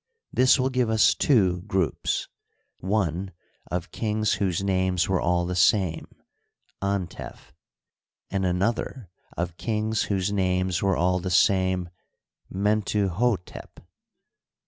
This will give us two groups, one of kings whose names were all the same — Antef, and another of kings whose names were all the same — Mentuhdtep.